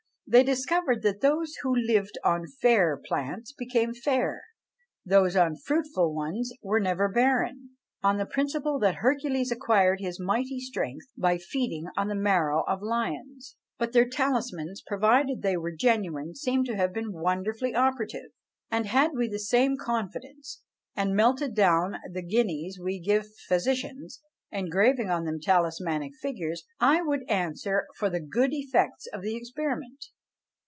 They discovered that those who lived on "fair" plants became fair, those on fruitful ones were never barren: on the principle that Hercules acquired his mighty strength by feeding on the marrow of lions. But their talismans, provided they were genuine, seem to have been wonderfully operative; and had we the same confidence, and melted down the guineas we give physicians, engraving on them talismanic figures, I would answer for the good effects of the experiment.